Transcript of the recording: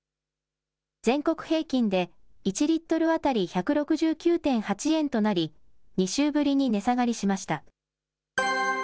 全国平均で、１リットル当たり１６９．８円となり、２週ぶりに値下がりしました。